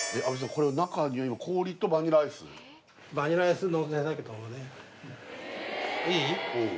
これ中に氷とバニラアイスバニラアイスのせだけどもねうん